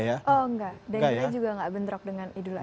dan juga gak bentrok dengan idul adha